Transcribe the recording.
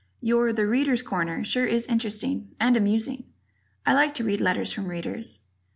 Your "The Readers' Corner" sure is interesting and amusing. I like to read letters from Readers.